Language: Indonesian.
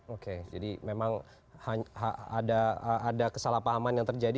oke jadi memang ada kesalahpahaman yang terjadi